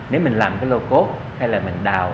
nếu mình làm cái lô cốt hay là mình đào